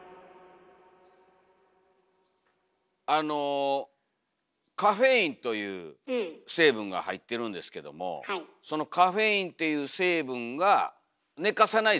あのカフェインという成分が入ってるんですけどもそのカフェインっていう成分が寝かさない。